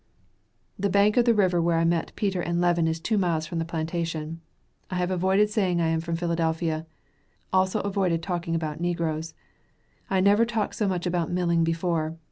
The bank of the river where I met Peter and Levin is two miles from the plantation. I have avoided saying I am from Philadelphia. Also avoided talking about negroes. I never talked so much about milling before.